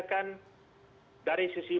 kan dari sisi